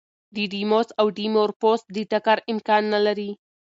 ډیډیموس او ډیمورفوس د ټکر امکان نه لري.